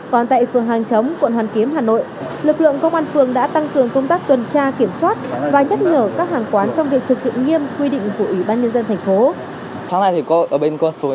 còn tại phường hàng chống quận hoàn kiếm hà nội lực lượng công an phường đã tăng cường công tác tuần tra kiểm soát và nhắc nhở các hàng quán trong việc thực hiện nghiêm quy định của ủy ban nhân dân thành phố